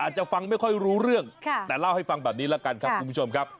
กมันเกิดถึงเมืองบรรณวิทยาศาสตร์